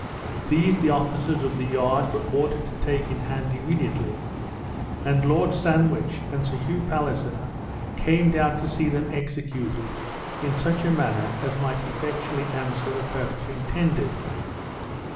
These the officers of the yard were ordered to take in hand immediately; and Lord Sandwich and Sir Hugh Palliser came down to see them executed in such a manner as might effectually answer the purpose intended.